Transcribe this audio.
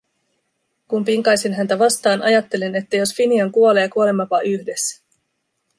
Kun pinkaisin häntä vastaan, ajattelin, että jos Finian kuolee, kuolemmepa yhdessä.